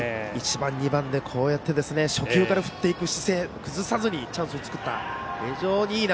１番、２番でこうやって初球から振っていく姿勢を崩さずにチャンスを作った。